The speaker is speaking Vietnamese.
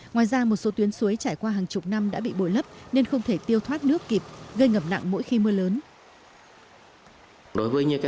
ngoài ra một số tuyến suối trải qua hàng chục năm đã bị bồi lấp nên không thể tiêu thoát nước kịp gây ngập nặng mỗi khi mưa lớn